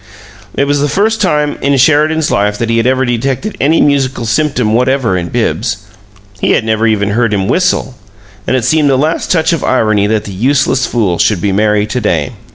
It was the first time in Sheridan's life that he had ever detected any musical symptom whatever in Bibbs he had never even heard him whistle and it seemed the last touch of irony that the useless fool should be merry to day.